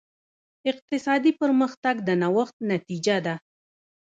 اقتصادي پرمختګ د نوښت نتیجه ده.